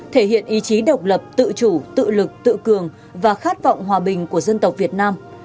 thể hiện ý chí độc lập tự chủ tự lực tự cường và khát vọng hòa bình của dân tộc việt nam